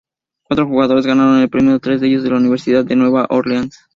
Cuatro jugadores ganaron el premio, tres de ellos de la Universidad de Nueva Orleans.